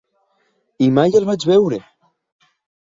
I mai el vaig veure!